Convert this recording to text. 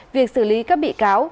việc xử lý các bị cáo